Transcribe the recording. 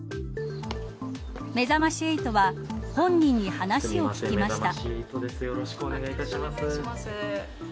めざまし８は本人に話を聞きました。